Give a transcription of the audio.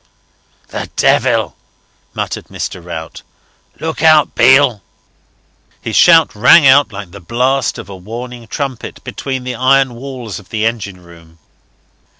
"The devil!" muttered Mr. Rout. "Look out, Beale!" His shout rang out like the blast of a warning trumpet, between the iron walls of the engine room.